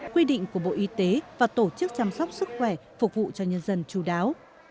quy định của bộ y tế và tổ chức chăm sóc sức khỏe phục vụ cho nhân dân chú đáo